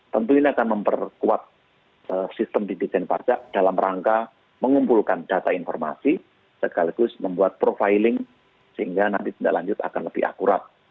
tentu ini akan memperkuat sistem ditijen pajak dalam rangka mengumpulkan data informasi sekaligus membuat profiling sehingga nanti tindak lanjut akan lebih akurat